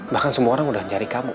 bahkan semua orang udah nyari kamu